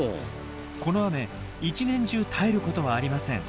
この雨一年中絶えることはありません。